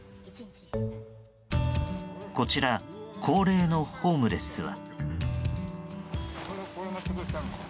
こちら、高齢のホームレスは。